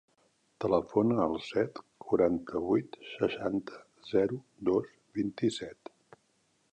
Telefona al set, quaranta-vuit, seixanta, zero, dos, vint-i-set.